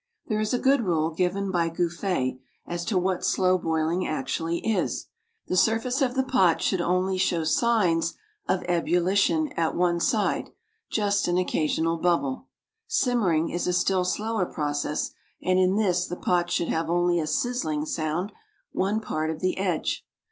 There is a good rule given by Gouffé as to what slow boiling actually is: the surface of the pot should only show signs of ebullition at one side, just an occasional bubble. Simmering is a still slower process, and in this the pot should have only a sizzling round one part of the edge.